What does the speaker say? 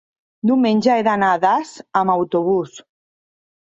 diumenge he d'anar a Das amb autobús.